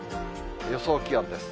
予想気温です。